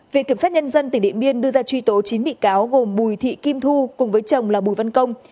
viện kiểm sát nhân dân tỉnh điện biên đưa ra truy tố chín bị cáo gồm bùi thị kim thu cùng với chồng là bùi văn công